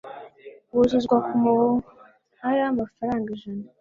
wuzuzwa ku mubare w amafaranga ijana